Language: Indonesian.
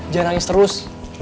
jangan nangis terus